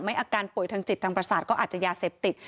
อาการป่วยทางจิตทางประสาทก็อาจจะยาเสพติด